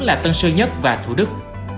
là tân sơn nhất và thủ đức